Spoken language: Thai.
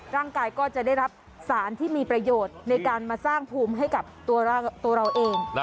ร่างกายก็จะได้รับสารที่มีประโยชน์ในการมาสร้างภูมิให้กับตัวเราเอง